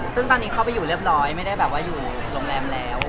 ซึ่งตอนนี้เข้าไปอยู่เรียบร้อยไม่ได้แบบว่าอยู่โรงแรมแล้ว